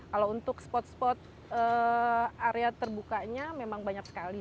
kalau untuk spot spot area terbukanya memang banyak sekali